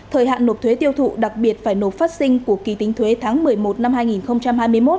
thời hạn nộp thuế tiêu thụ đặc biệt phải nộp phát sinh của kỳ tính thuế tháng một mươi một năm hai nghìn hai mươi một